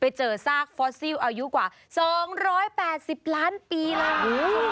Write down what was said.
ไปเจอซากฟอสซิลอายุกว่า๒๘๐ล้านปีแล้วค่ะ